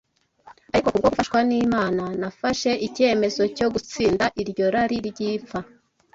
Ariko kubwo gufashwa n’Imana nafashe icyemezo cyo gutsinda iryo rari ry’ipfa